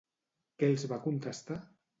Què els va contestar?